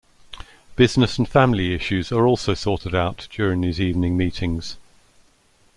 Business and family issues are also sorted out during these evening meetings.